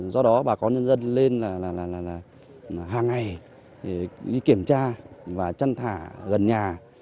do đó bà con nhân dân lên hàng ngày đi kiểm tra và chăn thả gần nhà